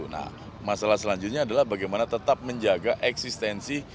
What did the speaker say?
nah masalah selanjutnya adalah bagaimana tetap menjaga eksistensi